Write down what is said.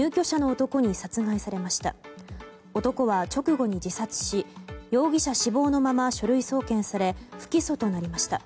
男は直後に自殺し容疑者死亡のまま書類送検され不起訴となりました。